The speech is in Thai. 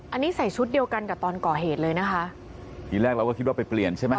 อันนี้ใส่ชุดเดียวกันกับตอนก่อเหตุเลยนะคะทีแรกเราก็คิดว่าไปเปลี่ยนใช่ไหม